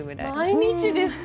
毎日ですか？